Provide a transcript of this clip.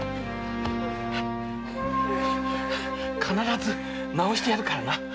必ず治してやるからな。